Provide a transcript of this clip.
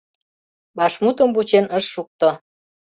Вашмутым вучен ыш шукто.